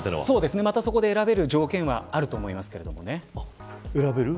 そこで選べる条件はあると思います。